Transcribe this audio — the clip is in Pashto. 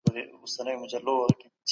تاسي چيري اوسېږئ؟